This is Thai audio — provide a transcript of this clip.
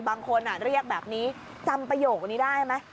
บางคนเรียกแบบนี้จำประโยคนี้ได้ไหม